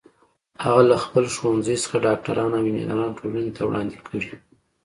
هغه له خپل ښوونځي څخه ډاکټران او انجینران ټولنې ته وړاندې کړي